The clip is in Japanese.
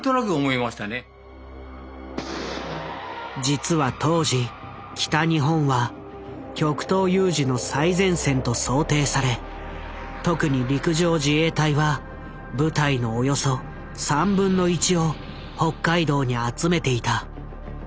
実は当時北日本は極東有事の最前線と想定され特に陸上自衛隊は部隊のおよそ1/3を北海道に集めていた。